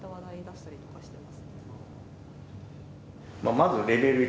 まずレベル１。